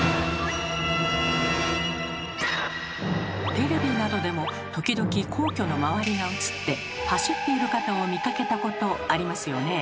テレビなどでも時々皇居の周りが映って走っている方を見かけたことありますよね。